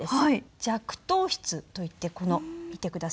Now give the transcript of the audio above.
雀頭筆といってこの見て下さい。